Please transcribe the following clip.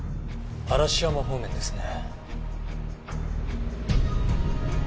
嵐山方面ですね。